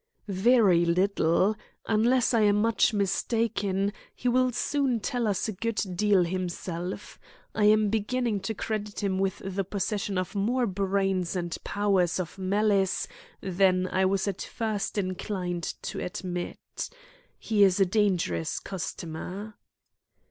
"Very little. Unless I am much mistaken, he will soon tell us a good deal himself. I am beginning to credit him with the possession of more brains and powers of malice than I was at first inclined to admit. He is a dangerous customer."